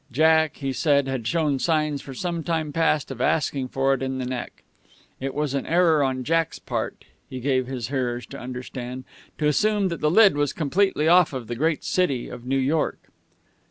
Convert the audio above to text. Jack, he said, had shown signs for some time past of asking for it in the neck. It was an error on Jack's part, he gave his hearers to understand, to assume that the lid was completely off the great city of New York.